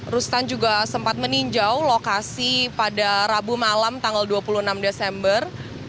rustan juga sempat meninjau lokasi pada rabu malam tanggal dua puluh enam desember